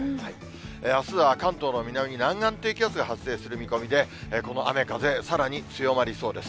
あすは関東の南に南岸低気圧が発生する見込みで、この雨風、さらに強まりそうです。